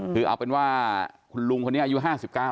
คือเอาไปเป็นว่าคุณลุงคนนี้อายุห้าสิบเก้า